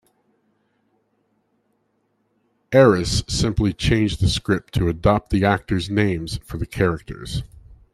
Erice simply changed the script to adopt the actors names for the characters.